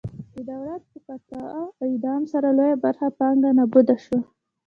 د دولت په قاطع اقدام سره لویه برخه پانګه نابوده شوه.